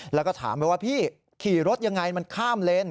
แล้วก็ถามไปว่าพี่ขี่รถยังไงมันข้ามเลน